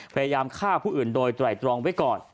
พยายามฆ่าผู้อื่นโดยไตรตรองไว้ก่อน